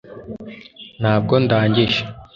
ntabwo ndangije